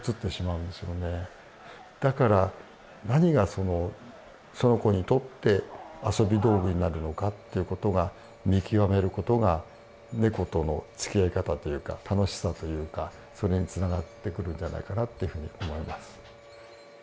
だから何がその子にとって遊び道具になるのかっていうことが見極めることがネコとのつきあい方というか楽しさというかそれに繋がってくるんじゃないかなっていうふうに思います。